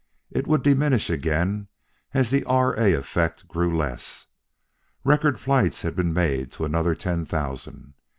It would diminish again as the R. A. Effect grew less. Record flights had been made to another ten thousand....